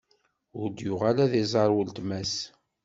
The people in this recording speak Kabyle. Ur yuɣal ad iẓer uletma-s.